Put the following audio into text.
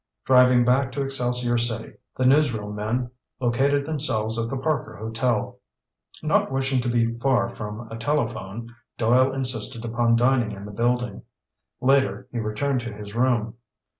Driving back to Excelsior City, the newsreel men located themselves at the Parker Hotel. Not wishing to be far from a telephone, Doyle insisted upon dining in the building. Later he returned to his room.